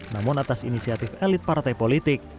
namun atas inisiatif elit partai politik